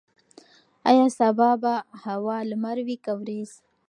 ایا سبا به هوا لمر وي که وریځ؟